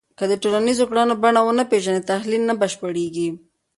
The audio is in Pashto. که د ټولنیزو کړنو بڼه ونه پېژنې، تحلیل نه بشپړېږي